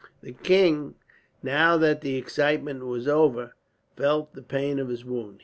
The king, now that the excitement was over, felt the pain of his wound.